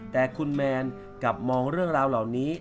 แต่คุณแมนกลับมองเรื่องราวเหล่านี้